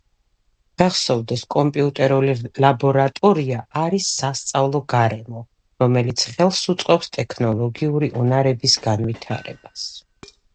გახსოვდეს! კომპიუტერული ლაბორატორია არის სასწავლო გარემო, რომელიც ხელს უწყობს ტექნოლოგიური უნარების განვითარებას.